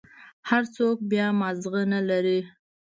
هر سوک بيا مازغه نلري.